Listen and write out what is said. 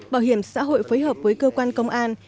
bảo hiểm xã hội phối hợp với cơ quan công an